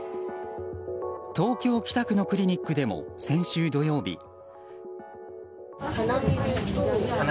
東京・北区のクリニックでも先週土曜日。